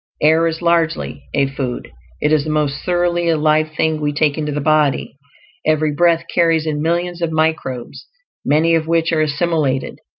Air is largely a food. It is the most thoroughly alive thing we take into the body. Every breath carries in millions of microbes, many of which are assimilated.